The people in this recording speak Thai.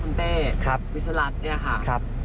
คุณอาจจะมีประโยชน์